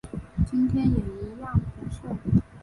今天也一样不顺